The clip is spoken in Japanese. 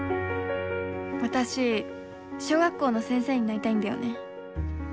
私小学校の先生になりたいんだよね。